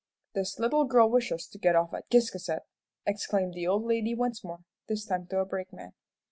"This little girl wishes to get off at Ciscasset," exclaimed the old lady once more, this time to a brakeman.